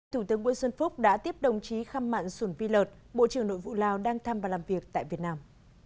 thủ tướng nguyễn xuân phúc đã tiếp đồng chí khăm mặn sùn phi lợt bộ trưởng nội vụ lào đang thăm và làm việc tại việt nam